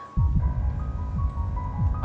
lo sengaja gak nyakain mereka